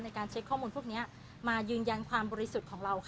ในการเช็คข้อมูลพวกนี้มายืนยันความบริสุทธิ์ของเราค่ะ